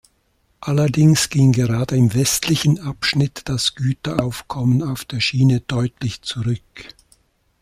Allerdings ging gerade im westlichen Abschnitt das Güteraufkommen auf der Schiene deutlich zurück.